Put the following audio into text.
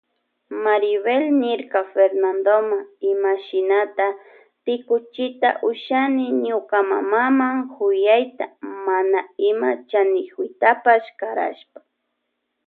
Maribel niyrka Fernandoma ima shinata rikuchita ushani ñuka mamama kuyayta mana ima chaniyuktapash karashpa.